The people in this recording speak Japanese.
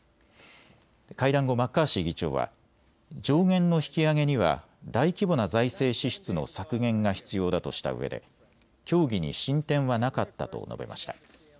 会談後、マッカーシー議長は上限の引き上げには大規模な財政支出の削減が必要だとしたうえで協議に進展はなかったと述べました。